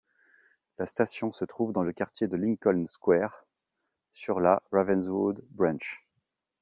La station se trouve dans le quartier de Lincoln Square sur la Ravenswood Branch.